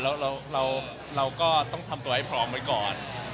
แล้วเราก็ต้องต้องวือกัวให้พร้อมไว้ก่อน